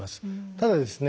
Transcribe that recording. ただですね